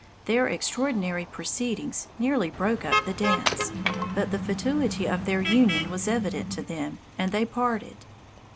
Their extraordinary proceedings nearly broke up the dance. But the fatuity of their union was evident to them, and they parted.